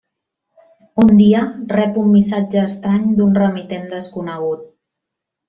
Un dia rep un missatge estrany d'un remitent desconegut.